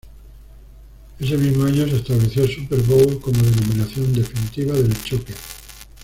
Ese mismo año se estableció "Super Bowl" como denominación definitiva del choque.